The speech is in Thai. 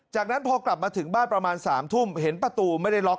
จากนั้นพอกลับมาถึงบ้านประมาณ๓ทุ่มเห็นประตูไม่ได้ล็อก